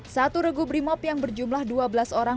satu regu brimob yang berjumlah dua belas orang